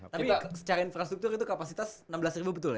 tapi secara infrastruktur itu kapasitas enam belas betul ya